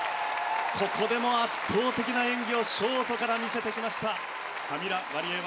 ここでも圧倒的な演技をショートから見せてきました。